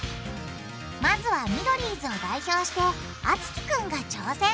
まずはミドリーズを代表してあつきくんが挑戦。